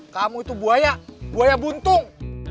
kamu itu buaya buaya buntung